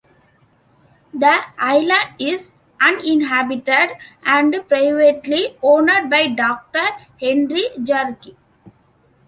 The island is uninhabited and privately owned by Doctor Henry Jarecki.